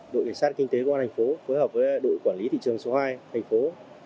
đội cảnh sát kinh tế công an thành phố phối hợp với đội quản lý thị trường số hai thành phố